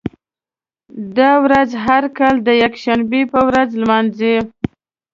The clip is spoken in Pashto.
دا ورځ هر کال د یکشنبې په ورځ لمانځي.